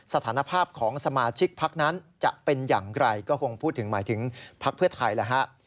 สถานภาพของสมาชิกพักนั้นจะเป็นอย่างไรก็คงพูดถึงหมายถึงพักเพื่อไทยแหละฮะ